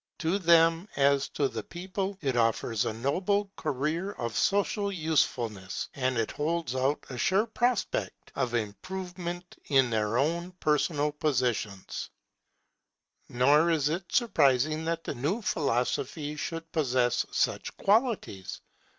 To them, as to the people, it offers a noble career of social usefulness, and it holds out a sure prospect of improvement in their own personal position. Nor is it surprising that the new philosophy should possess such qualities.